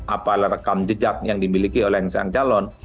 apa rekam jejak yang dimiliki oleh sang calon